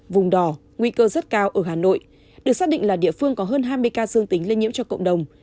vùng đỏ nguy cơ rất cao ở hà nội được xác định là địa phương có hơn hai mươi ca dương tính lây nhiễm cho cộng đồng